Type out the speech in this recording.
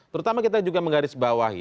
terutama kita juga menggaris bawahi